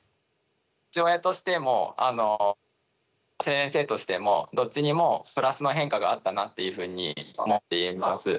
父親としても先生としてもどっちにもプラスの変化があったなっていうふうに思っています。